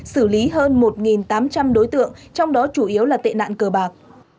xử lý hơn một tám trăm linh đối tượng trong đó chủ yếu là tệ nạn cờ bạc